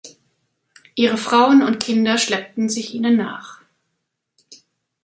Ihre Frauen und Kinder schleppten sich ihnen nach.